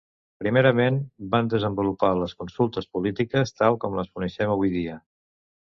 Primerament, van desenvolupar les consultes polítiques tal com les coneixem avui dia.